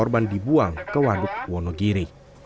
korban dibuang ke waduk wonogiri